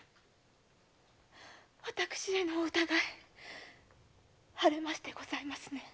私へのお疑い晴れましてございますね？